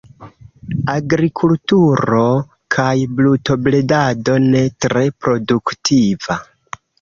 Agrikulturo kaj brutobredado, ne tre produktiva.